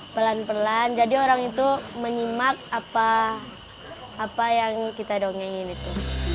pelan pelan jadi orang itu menyimak apa yang kita dongengin itu